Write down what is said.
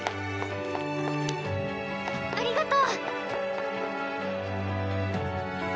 ありがとう！